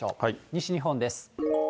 西日本です。